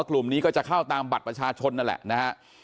กลุ่มนี้ก็จะเข้าตามบัตรประชาชนนั่นแหละนะฮะ